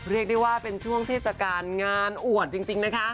เรียกได้ว่าเป็นช่วงเทศกาลงานอวดจริงนะคะ